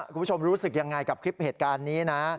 คุณผู้ชมรู้สึกยังไงกับคลิปเหตุการณ์นี้นะ